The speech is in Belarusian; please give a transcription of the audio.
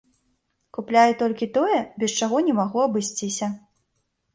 Купляю толькі тое, без чаго не магу абысціся.